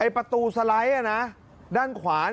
ประตูสไลด์ด้านขวา